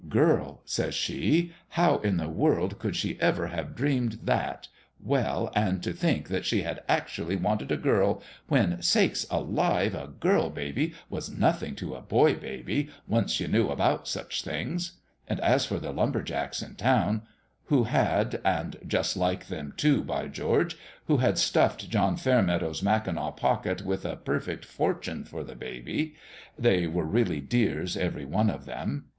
Girl ! (says she) ; how in the world could she ever have dreamed that well and to think that she had actually wanted a girl when sakes alive 1 a girl baby was nothing to a boy baby, once you knew about such things. And as for the lumber jacks in town, who had H2 CHRISTMAS El/E at SWAMPS END and just like them, too, by George ! who had stuffed John Fairmeadow's mackinaw pocket with a perfect fortune for the baby they were really dears, every one of them.